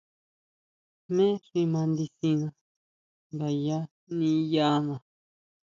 Jmé xi mandisina ngayá niʼyaná.